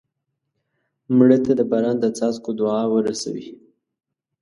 مړه ته د باران د څاڅکو دعا ورسوې